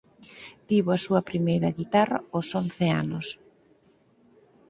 Tivo a súa primeira guitarra aos once anos.